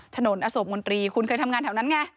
ถนนอโศกมนตรีคุณเคยทำงานแถวนั้นไง